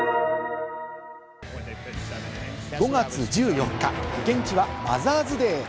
５月１４日、現地はマザーズ・デー。